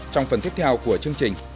trong phần tiếp theo của chương trình